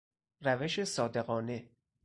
روش صادقانه